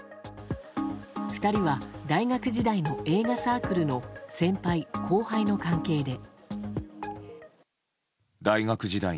２人は大学時代の映画サークルの先輩・後輩の関係で。